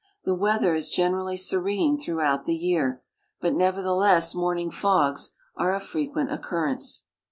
The weather is generally serene throughout the year, but nevertheless morning fogs are of frequent occurrence.